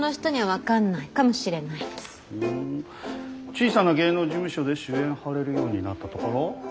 小さな芸能事務所で主演張れるようになったところ？